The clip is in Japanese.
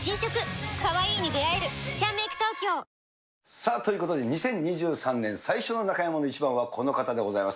さあ、ということで２０２３年最初の中山のイチバンは、この方でございます。